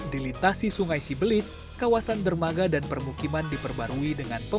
di lintasi sungai sibelis kawasan dermaga dan permukiman diperbarui dengan perubahan